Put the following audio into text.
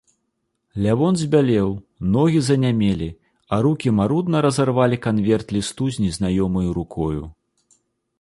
Лявон збялеў, ногі занямелі, а рукі марудна разарвалі канверт лісту з незнаёмаю рукою.